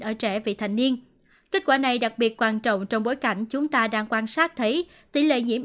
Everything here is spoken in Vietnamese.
ở trẻ vị thành niên kết quả này đặc biệt quan trọng trong bối cảnh chúng ta đang quan sát thấy tỷ lệ nhiễm